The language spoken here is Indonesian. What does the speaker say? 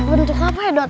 buat untuk apa edot